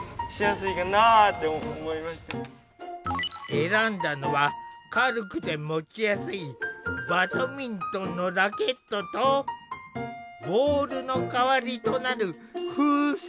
選んだのは軽くて持ちやすいバドミントンのラケットとボールの代わりとなる風船。